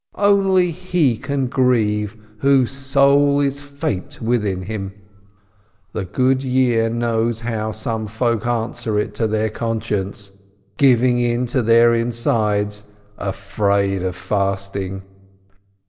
Only he can grieve whose soul is faint within him ! The good year knows how some folk answer it to their conscience, giving in to their insides — afraid of fasting!